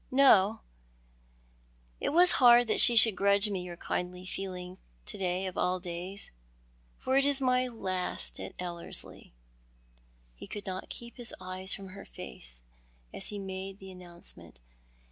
" No ? It was hard that she should grudge me your kindly feeling to day of all days, for it is my last at Ellerslie." He could not keep his eyes from her face as he made the announcement.